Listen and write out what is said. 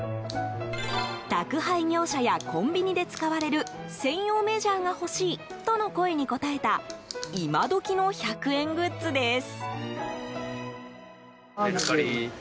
宅配業者やコンビニで使われる専用メジャーが欲しいとの声に応えた今時の１００円グッズです。